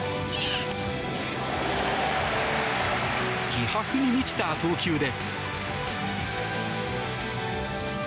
気迫に満ちた投球で。